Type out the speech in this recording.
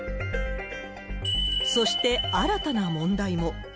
そして、新たな問題も。